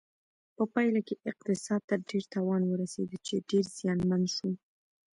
په پایله کې اقتصاد ته ډیر تاوان ورسېده چې ډېر زیانمن شو.